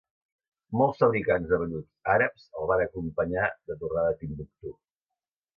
Molts fabricants de velluts àrabs el van acompanyar de tornada a Timbuctú.